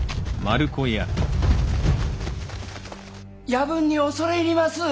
・夜分に恐れ入ります。